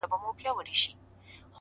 • د زړه له درده درته وايمه دا؛